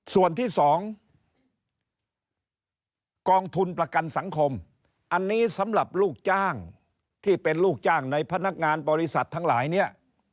ส่วนที่๒กองทุนประกันสังคมอันนี้สำหรับลูกจ้างที่เป็นลูกจ้างในพนักงานบริษัททั้งหลายเนี่ย